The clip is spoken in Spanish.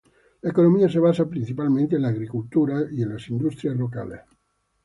La economía se basa principalmente en la agricultura y en las industrias locales.